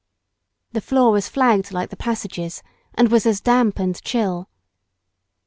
The floor was flagged like the passages, and was as damp and chill.